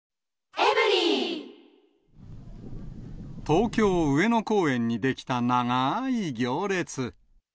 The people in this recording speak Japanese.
東京・上野公園に出来た長ーい行列。